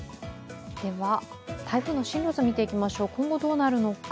台風の進路図見ていきましょう、今後どうなるのか。